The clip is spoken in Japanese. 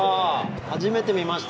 初めて見ました。